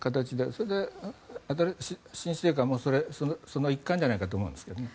それで、新司令官もその一環じゃないかと思うんですけどね。